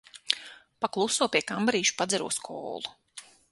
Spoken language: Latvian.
Pa kluso pie kambarīša padzeros kolu.